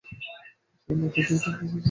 সে Latvia থেকে এসেছে, Latvia.